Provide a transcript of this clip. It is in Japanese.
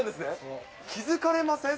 気付かれません？